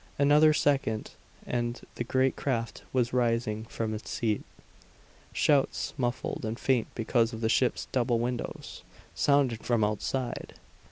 Another second and the great craft was rising from its seat. Shouts, muffled and faint because of the ship's double windows, sounded from outside.